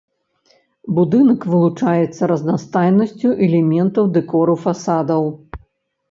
Будынак вылучаецца разнастайнасцю элементаў дэкору фасадаў.